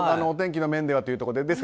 お天気の面ではというところで。